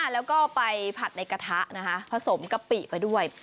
แล้วก็ไปผัดในกระทะนะคะผสมกะปิไปด้วย